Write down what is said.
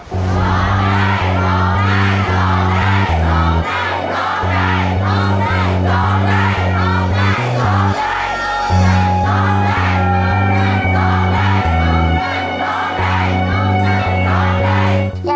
ร้องได้ร้องได้ร้องได้ร้องได้ร้องได้